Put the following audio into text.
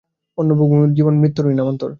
অন্য ভোগভূমির জীবন মৃত্যুরই নামান্তর।